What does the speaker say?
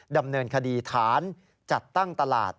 ดำเนินคดีฐานจัดตั้งตลาด